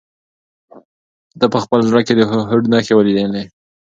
ده په خپل زړه کې د هوډ نښې ولیدلې.